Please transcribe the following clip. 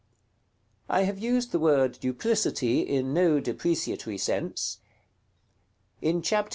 § XXV. I have used the word duplicity in no depreciatory sense. In chapter ii.